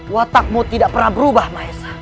watakmu tidak pernah berubah maes